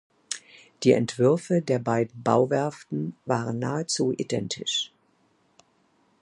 Die Entwürfe der beiden Bauwerften waren nahezu identisch.